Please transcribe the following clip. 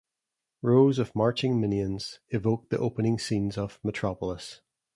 Rows of marching minions evoke the opening scenes of "Metropolis".